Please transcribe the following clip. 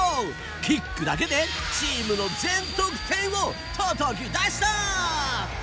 キックだけでチームの全得点をたたき出した。